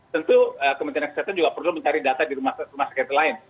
tentu kementerian kesehatan juga perlu mencari data di rumah sakit lain